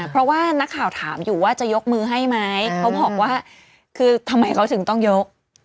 เพราะว่านักข่าวถามอยู่ว่าจะยกมือให้ไหมเขาบอกว่าคือทำไมเขาถึงต้องยก